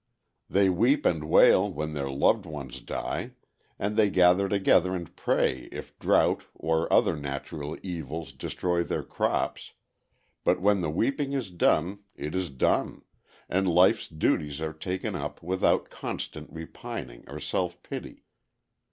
They weep and wail when their loved ones die; and they gather together and pray if drought or other natural evils destroy their crops, but when the weeping is done it is done, and life's duties are taken up without constant repining or self pity.